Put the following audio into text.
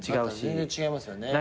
全然違いますよね。